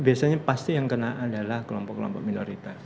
biasanya pasti yang kena adalah kelompok kelompok minoritas